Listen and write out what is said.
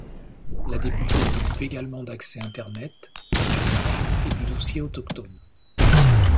La députée s'occupe également d'accès internet, de chômage et du dossier autochtone.